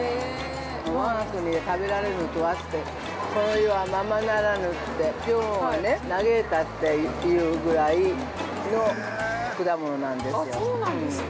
我が国で食べられないとあってこの世はままならぬって、女王が嘆いたっていうぐらいの果物なんですよ。